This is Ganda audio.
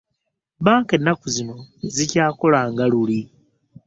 Bbanka ennaku zino tezikyakola nga luli.